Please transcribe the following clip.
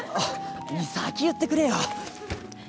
先に言ってくれよ。